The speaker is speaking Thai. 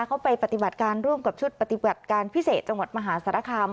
เขาไปปฏิบัติการร่วมกับชุดปฏิบัติการพิเศษจังหวัดมหาสารคาม